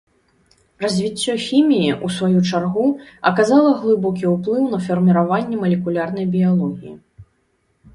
Развіццё хіміі, у сваю чаргу, аказала глыбокі ўплыў на фарміраванне малекулярнай біялогіі.